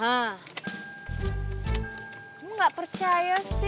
aku tuh yang biraz nyobain